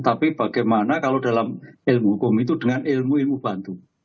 tapi bagaimana kalau dalam ilmu hukum itu dengan ilmu ilmu bantu